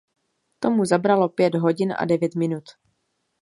To mu zabralo pět hodin a devět minut.